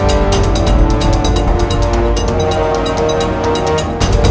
aku harus menggunakan ajem pabuk kasku